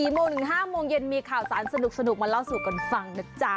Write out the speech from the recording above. โมงถึง๕โมงเย็นมีข่าวสารสนุกมาเล่าสู่กันฟังนะจ๊ะ